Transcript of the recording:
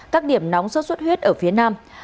các điểm nóng sốt xuất huyết ở phía nam